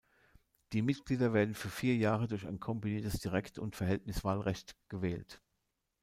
Die Mitglieder werden für vier Jahre durch ein kombiniertes Direkt- und Verhältniswahlrecht gewählt.